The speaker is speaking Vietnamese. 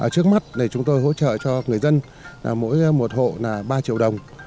trước mắt chúng tôi hỗ trợ cho người dân mỗi một hộ ba triệu đồng